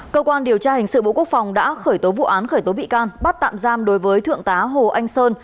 cơ quan điều tra hình sự bộ quốc phòng đã khởi tố vụ án khởi tố bị can bắt tạm giam đối với thượng tá hồ anh sơn